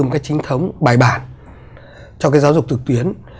một cách chính thống bài bản cho cái giáo dục trực tuyến